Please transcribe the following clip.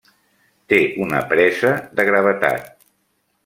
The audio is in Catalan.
Té una pressa de gravetat.